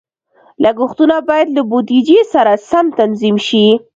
لګښتونه باید له بودیجې سره سم تنظیم شي.